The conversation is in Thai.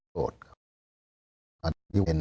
โดด